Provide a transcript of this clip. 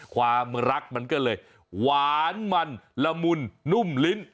ความรักมันก็เลยหวานมันละมุนนุ่มลิ้น